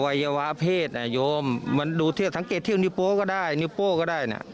วัยวะเพศโยมมันดูเที่ยวสังเกตเที่ยวนิ้วโป้ก็ได้นิ้วโป้ก็ได้นะ